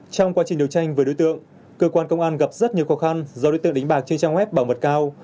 trong quá trình đấu tranh với đối tượng cơ quan công an gặp rất nhiều khó khăn do đối tượng đánh bạc trên trang web bảo mật cao